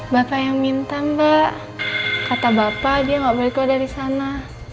bapak yang minta mbak kata bapak dia nggak boleh keluar dari sana